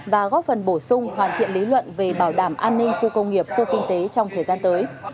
và góp phần bổ sung hoàn thiện lý luận về bảo đảm an ninh khu công nghiệp khu kinh tế trong thời gian tới